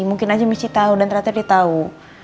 mungkin aja mici tau dan ternyata dia tau